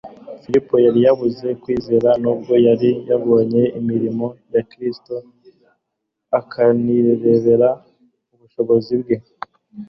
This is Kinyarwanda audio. Filipo yari abuze kwizera nubwo yari yabonye imirimo ya Kristo akanirebera ubushobozi bwe.